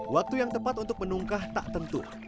waktu yang tepat untuk menungkah tak tentu